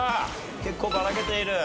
結構バラけている。